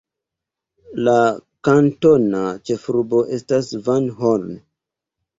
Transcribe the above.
La kantona ĉefurbo estas Van Horn.